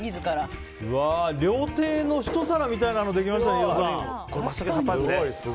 料亭のひと皿みたいなのができました、飯尾さん。